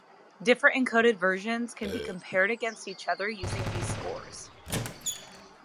Different encoded versions can be compared against each other using these scores.